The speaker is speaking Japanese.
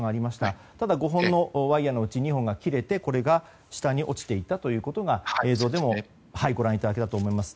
ただ、５本のワイヤのうち２本が切れてこれが下に落ちていったということが映像でもご覧いただけたと思います。